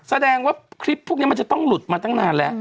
แสดงว่าคลิปพวกนี้มันจะต้องหลุดมาตั้งนานแล้ว